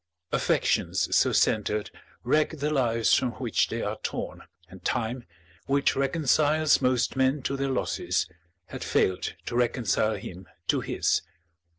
Affections so centred wreck the lives from which they are torn; and Time, which reconciles most men to their losses, had failed to reconcile him to his.